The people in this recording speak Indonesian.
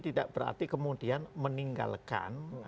tidak berarti kemudian meninggalkan